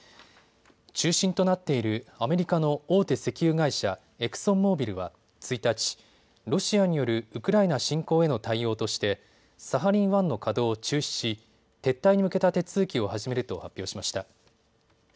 中心となっているアメリカの大手石油会社、エクソンモービルは１日、ロシアによるウクライナ侵攻への対応としてサハリン１の稼働を中止し撤退に向けた手続きを始めると発表しました。